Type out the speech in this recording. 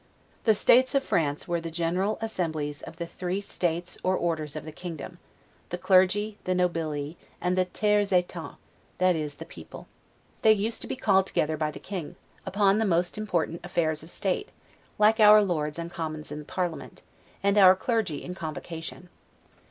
THE STATES OF FRANCE were general assemblies of the three states or orders of the kingdom; the Clergy, the Nobility, and the 'Tiers Etat', that is, the people. They used to be called together by the King, upon the most important affairs of state, like our Lords and Commons in parliament, and our Clergy in convocation.